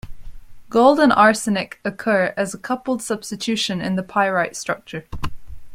Gold and arsenic occur as a coupled substitution in the pyrite structure.